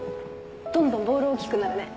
どんどんボール大きくなるね。